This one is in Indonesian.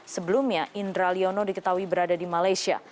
sebelumnya indra liono diketahui berada di malaysia